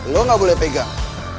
lo gak boleh pegang